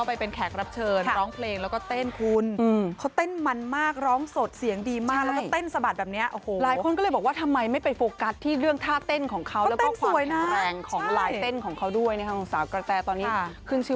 ไปเป็นแขกรับเชิญร้องเพลงแล้วก็เต้นคุณ